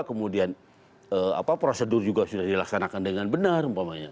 kemudian prosedur juga sudah dilaksanakan dengan benar umpamanya